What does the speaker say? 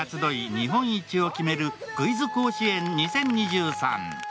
日本一を決めるクイズ甲子園２０２３。